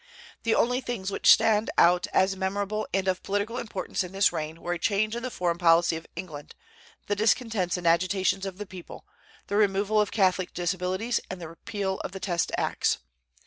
The only things which stand out as memorable and of political importance in this reign were a change in the foreign policy of England, the discontents and agitations of the people, the removal of Catholic disabilities, and the repeal of the Test Acts.